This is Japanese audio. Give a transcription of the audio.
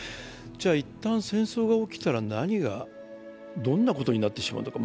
じゃ、一旦、戦争が起きたら何が、どんなことになってしまうのか。